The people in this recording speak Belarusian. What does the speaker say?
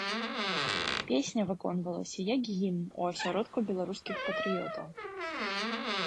Песня выконвалася як гімн у асяродку беларускіх патрыётаў.